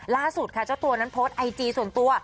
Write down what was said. ล่าสุดค่ะเจ้าตัวนั้นโพสต์ไอจีส่วนตัว